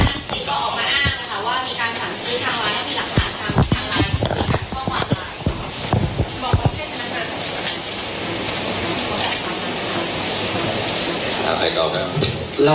เราได้มีการตรวจสอบแต่นี้ด้วยมั้ยคะ